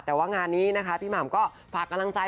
แต่ว่างานนี้นะคะพี่หม่ำก็ฝากกำลังใจ